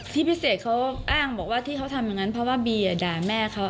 พี่พิเศษเขาอ้างบอกว่าที่เขาทำอย่างนั้นเพราะว่าบีด่าแม่เขา